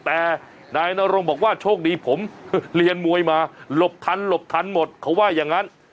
แต่นายนรงบอกว่าโชคดีผมเรียนมวยมาหลบทันหลบทันหมดเขาว่าอย่างนั้น